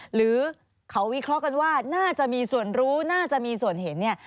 หรือเขาวิเคราะห์กันว่าน่าจะมีส่วนรู้น่าจะมีส่วนเห็นเนี่ย